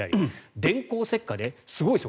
電光石火ですごいですよ